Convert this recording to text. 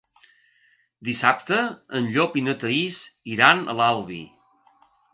Dissabte en Llop i na Thaís iran a l'Albi.